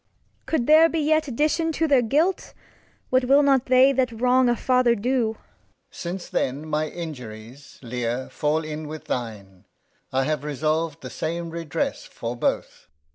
Cord. Cou'd there be yet Addition to their Guilt ? What will not they that wrong a Father do ? Alb. Since then my Injuries, Lear, fall in with thine, I have resolv'd the same Redress for both.